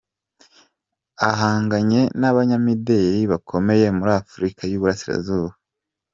Ahanganye n’abanyamideli bakomeye muri Afurika y’Uburasirazuba.